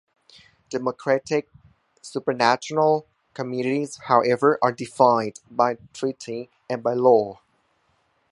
Democratic supranational Communities, however, are defined by treaty and by law.